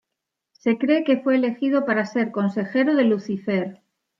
Se cree que fue elegido para ser consejero de Lucifer.